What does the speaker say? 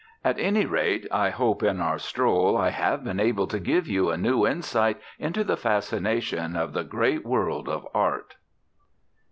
At any rate, I hope in our stroll I have been able to give you a new insight into the fascination of the great world of Art.